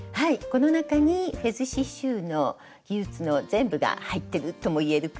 この中にフェズ刺しゅうの技術の全部が入ってるとも言えるくらい。